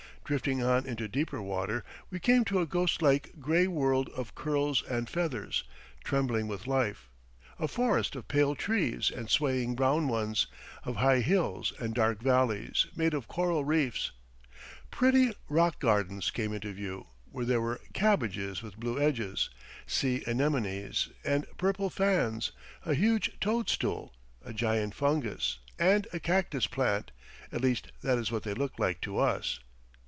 Drifting on into deeper water, we came to a ghost like gray world of curls and feathers, trembling with life, a forest of pale trees and swaying brown ones, of high hills and dark valleys, made by coral reefs. Pretty rock gardens came into view, where there were cabbages with blue edges, sea anemones and purple fans, a huge toadstool, a giant fungus, and a cactus plant at least, that is what they looked like to us.